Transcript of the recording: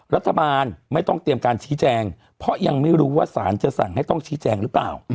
รัฐบาลไม่ต้องเตรียมการชี้แจงเพราะยังไม่รู้ว่าสารจะสั่งให้ต้องชี้แจงหรือเปล่า